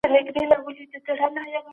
ولي ترانزیت په نړیواله کچه ارزښت لري؟